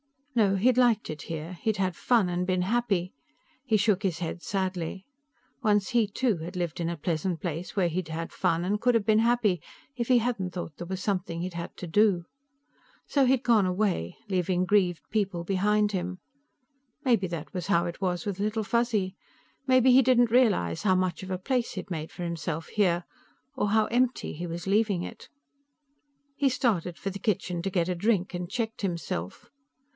No; he'd liked it here. He'd had fun, and been happy. He shook his head sadly. Once he, too, had lived in a pleasant place, where he'd had fun, and could have been happy if he hadn't thought there was something he'd had to do. So he had gone away, leaving grieved people behind him. Maybe that was how it was with Little Fuzzy. Maybe he didn't realize how much of a place he had made for himself here, or how empty he was leaving it. He started for the kitchen to get a drink, and checked himself.